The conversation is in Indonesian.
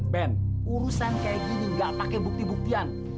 ben urusan kayak gini gak pake bukti buktian